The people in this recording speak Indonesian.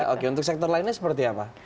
oke untuk sektor lainnya seperti apa